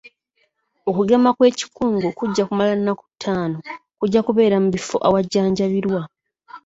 Okugema kw'ekikungo kujja kumala nnaku ttaano, kujja kubeera mu bifo awajjanjabirwa.